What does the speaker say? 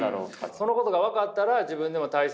そのことが分かったら自分でも対策。